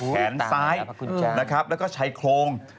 แขนซ้ายนะครับแล้วก็ชายโครง